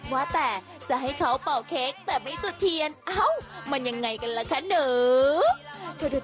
ว่าแต่จะให้เขาเป่าเค้กแต่ไม่จุดเทียนเอ้ามันยังไงกันล่ะคะหนู